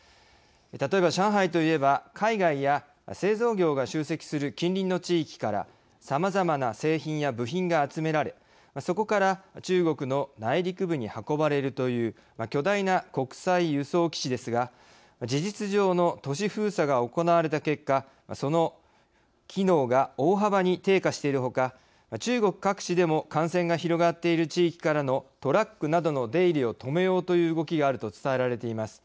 上海といえば、海外や製造業が集積する近隣の地域からさまざまな製品や部品が集められそこから中国の内陸部に運ばれるという巨大な国際輸送基地ですが事実上の都市封鎖が行われた結果その機能が大幅に低下しているほか中国各地でも感染が広がっている地域からのトラックなどの出入りを止めようという動きがあると伝えられています。